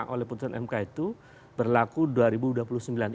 oleh putusan mk itu berlaku dua ribu dua puluh sembilan